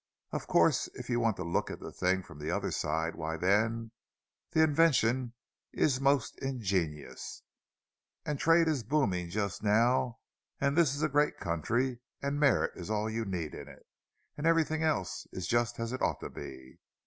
Of course, if you want to look at the thing from the other side, why, then the invention is most ingenious, and trade is booming just now, and this is a great country, and merit is all you need in it—and everything else is just as it ought to be.